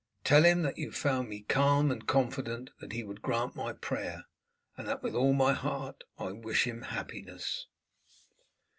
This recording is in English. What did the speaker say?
Tell him that you found me calm and confident that he would grant my prayer, and that with all my heart I wish him happiness."